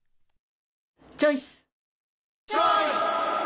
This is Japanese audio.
チョイス！